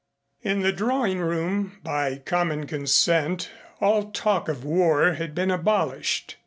In the drawing room by common consent all talk of war had been abolished.